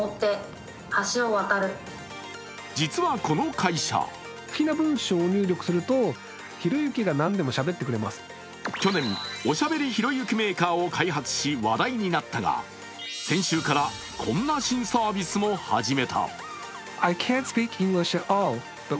実はこの会社去年、おしゃべりひろゆきメーカーを開発し、話題になったが先週からこんな新サービスも始めた。